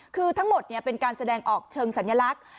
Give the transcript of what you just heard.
คือทั้งหมดเป็นการแสดงออกเชิงสัญลักษณ์